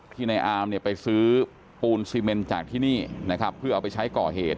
ในอามเนี่ยไปซื้อปูนซีเมนจากที่นี่นะครับเพื่อเอาไปใช้ก่อเหตุ